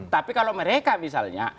tapi kalau mereka misalnya